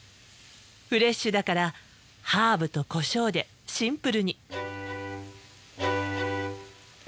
フレッシュだからハーブとコショウでシンプルに。